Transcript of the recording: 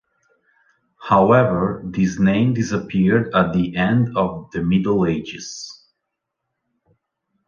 However, this name disappeared at the end of the Middle Ages.